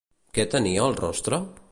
Què tenia al rostre?